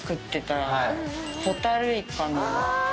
ホタルイカの。